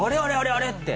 あれ？って。